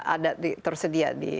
ada tersedia di